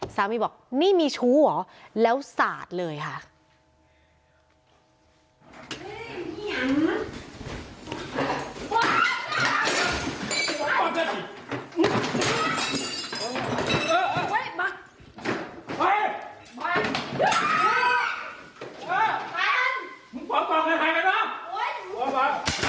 สามีบอกนี่มีชู้เหรอแล้วสาดเลยค่ะ